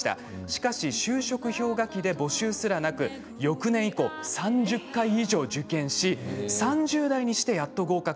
しかし就職氷河期で募集すらなくてよくとし以降３０回以上受験して３０代にしてやっと合格。